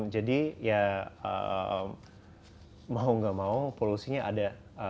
jadi ya mau gak mau polusinya ada